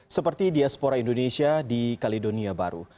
seperti diaspora indonesia di kaledonia baru